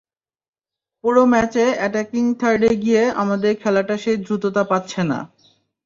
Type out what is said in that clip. পুরো ম্যাচে অ্যাটাকিং থার্ডে গিয়ে আমাদের খেলাটা সেই দ্রুততা পাচ্ছে না।